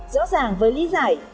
rõ ràng với lý giải